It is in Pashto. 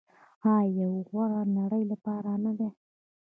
آیا د یوې غوره نړۍ لپاره نه دی؟